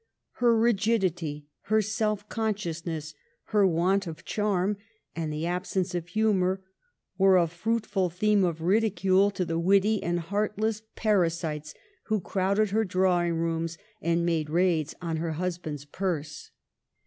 Her rigidity, her self con sciousness, her want of charm, and absence of humor, were a fruitful thejne of ridicule to the witty and heartless parasites who crowded her drawing rooms and made raids on her husbarid's purse.